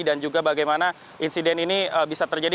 dan juga bagaimana insiden ini bisa terjadi